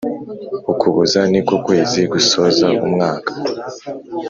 Ukuboza niko kwezi gusoza umwaka